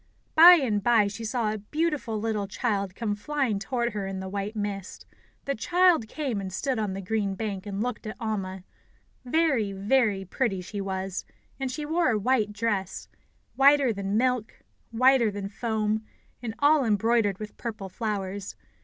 By and by she saw a beautiful little child come flying toward her in the white mist. The child came and stood on the green bank, and looked at Alma. Very, very pretty she was; and she wore a white dress whiter than milk, whiter than foam, and all embroidered with purple flowers.